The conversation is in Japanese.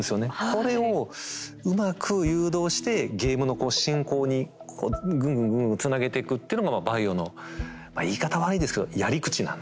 これをうまく誘導してゲームの進行にこうぐんぐんぐんぐんつなげていくっていうのがまあ「バイオ」の言い方悪いですけどやり口なんで。